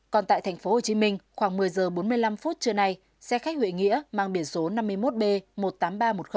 còn tại tp hcm khoảng một mươi h bốn mươi năm phút trưa nay xe khách huệ nghĩa mang biển số năm mươi một b một mươi tám nghìn ba trăm một mươi